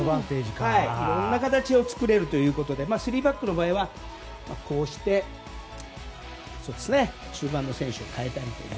いろんな形を作れるということで３バックの場合は中盤の選手を代えたりだとか。